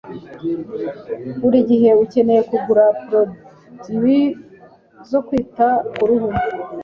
Buri gihe ukeneye kugura product zo kwita ku ruhu